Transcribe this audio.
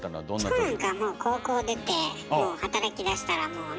チコなんかはもう高校出て働きだしたらもうね。